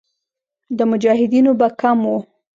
د مجاهدینو به کم وو.